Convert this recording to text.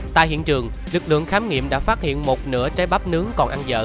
tại hiện trường lực lượng khám nghiệm đã phát hiện một nửa trái bắp nước